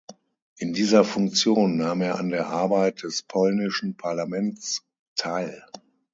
In dieser Funktion nahm er an der Arbeit des polnischen Parlaments teil.